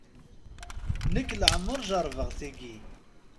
Nekk leɛmer jerbeɣ tigi.